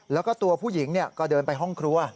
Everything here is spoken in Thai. แล้วก็ตัวผู้หญิงก็เดินไปห้องครัว